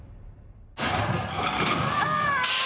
ああ！